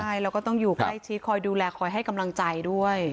ใช่แล้วก็ต้องอยู่ใกล้ชิดคอยดูแลคอยให้กำลังใจด้วย